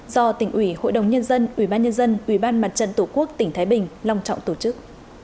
do tỉnh ủy hội đồng nhân dân ủy ban nhân dân ủy ban mặt trận tổ quốc tỉnh thái bình long trọng tổ chức